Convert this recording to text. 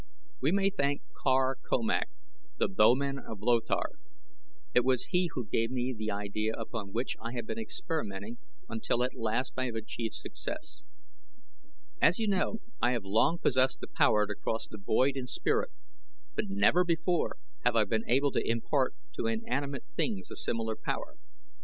We may thank Kar Komak, the bowman of Lothar. It was he who gave me the idea upon which I have been experimenting until at last I have achieved success. As you know I have long possessed the power to cross the void in spirit, but never before have I been able to impart to inanimate things a similar power.